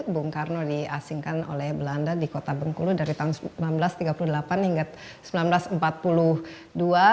bung karno diasingkan oleh belanda di kota bengkulu dari tahun seribu sembilan ratus tiga puluh delapan hingga seribu sembilan ratus empat puluh dua